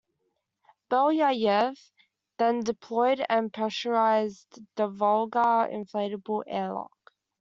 Belyayev then deployed and pressurized the Volga inflatable airlock.